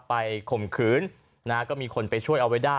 ไปข่มขืนก็มีคนไปช่วยเอาไว้ได้